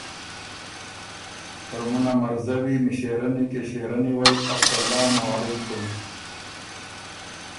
” ترمُن ا مرزوی، مݭېرنی، کِݭېرنی وئ اسلام علېکم!